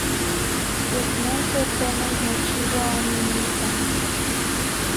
Yeh non se tonal mochiua omi misa.